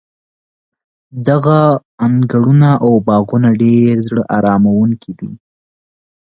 دغه انګړونه او باغونه ډېر زړه اراموونکي دي.